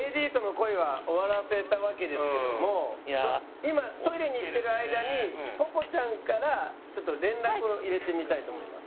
今トイレに行ってる間にぽぽちゃんからちょっと連絡を入れてみたいと思います。